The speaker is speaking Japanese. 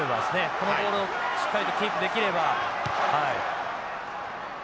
このボールをしっかりとキープできれば。